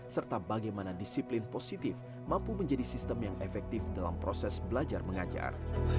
serta bagaimana disiplin positif mampu menjadi sistem yang efektif dalam proses belajar mengajar